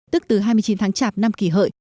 tức từ hai mươi chín tháng chạp năm kỷ hợi